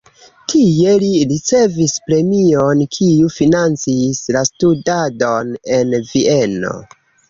Tie li ricevis premion, kiu financis la studadon en Vieno.